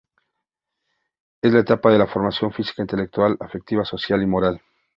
Es la etapa de formación física, intelectual, afectiva, social y moral.